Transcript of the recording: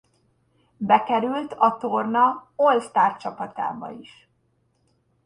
Bekerült a torna All-Star csapatába is.